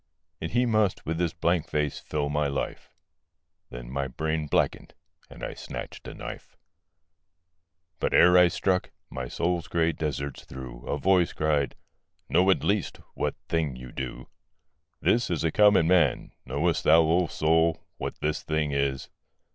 And he must with his blank face fill my life Then my brain blackened; and I snatched a knife. But ere I struck, my soul's grey deserts through A voice cried, 'Know at least what thing you do.' 'This is a common man: knowest thou, O soul, What this thing is?